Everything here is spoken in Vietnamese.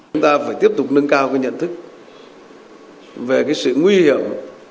chúng ta phải tiếp tục nâng cao cái nhận thức về cái sự nguy hiểm